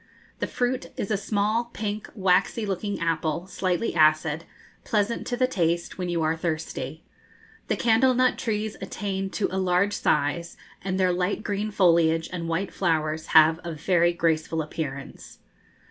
The fruit is a small pink waxy looking apple, slightly acid, pleasant to the taste when you are thirsty. The candle nut trees attain to a large size, and their light green foliage and white flowers have a very graceful appearance.